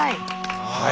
はい。